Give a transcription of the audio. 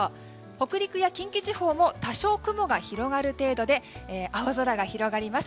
北陸や近畿地方も多少雲が広がる程度で青空が広がります。